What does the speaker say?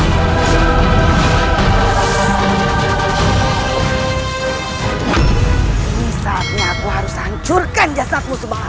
ini saatnya aku harus hancurkan jasadmu semua